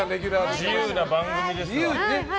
自由な番組ですね。